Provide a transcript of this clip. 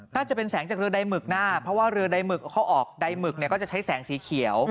น่าจะเป็นแสงจากเรือใดหมึกหน้าเพราะว่าเรือใดหมึกเขาออกใดหมึกเนี่ยก็จะใช้แสงสีเขียว